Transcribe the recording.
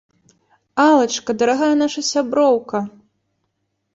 Алачка, дарагая наша сяброўка!